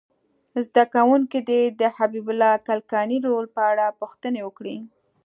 زده کوونکي دې د حبیب الله کلکاني رول په اړه پوښتنې وکړي.